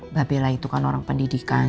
mbak bella itu kan orang pendidikan